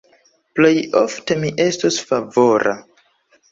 Plejofte mi estos favora.